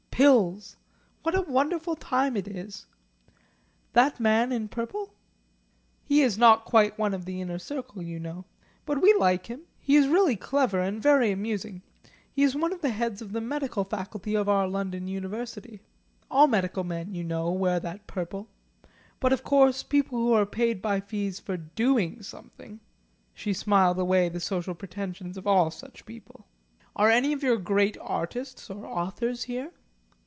"Pills! What a wonderful time it is! That man in purple?" "He is not quite one of the inner circle, you know. But we like him. He is really clever and very amusing. He is one of the heads of the Medical Faculty of our London University. All medical men, you know, wear that purple. But, of course, people who are paid by fees for doing something " She smiled away the social pretensions of all such people. "Are any of your great artists or authors here?"